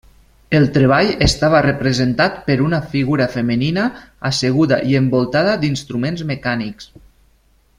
El treball estava representat per una figura femenina asseguda i envoltada d'instruments mecànics.